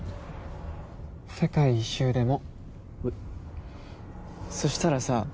世界一周でもそしたらさ